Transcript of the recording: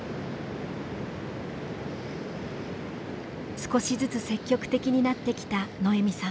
少しずつ積極的になってきたノエミさん。